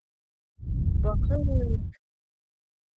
Бахыр...